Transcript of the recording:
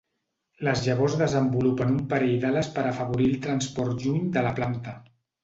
Les llavors desenvolupen un parell d'ales per afavorir el transport lluny de la planta.